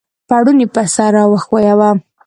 پوړنی پر سر را وښویوه !